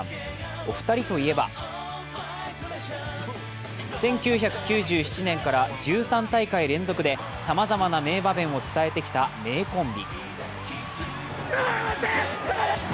お二人といえば１９９７年から１３大会連続でさまざまな名場面を伝えてきた名コンビ。